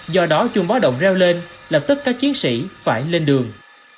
do đó chuông bó động reo lên làm tất cả chiến sĩ phải lên đường